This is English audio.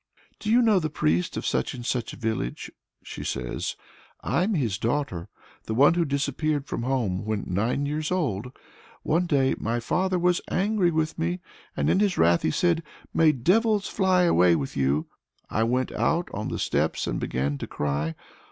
"Do you know the priest of such and such a village?" she says. "I'm his daughter, the one who disappeared from home when nine years old. One day my father was angry with me, and in his wrath he said, 'May devils fly away with you!' I went out on the steps and began to cry.